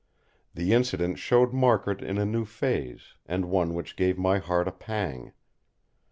The incident showed Margaret in a new phase, and one which gave my heart a pang.